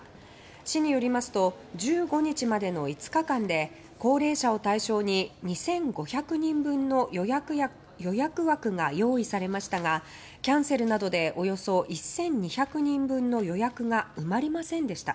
市によりますと１５日までの５日間で高齢者を対象に２５００人分の予約枠が用意されましたがキャンセルなどでおよそ１２００人分の予約が埋まりませんでした。